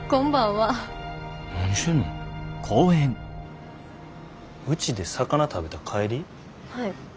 はい。